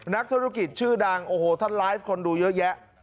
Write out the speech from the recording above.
นักธุรกิจชื่อดังโอ้โหท่านไลฟ์คนดูเยอะแยะ